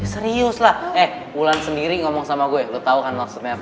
ya serius lah eh wulan sendiri ngomong sama gue lo tau kan maksudnya apa ya